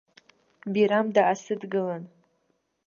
Бирам даасыдгылан.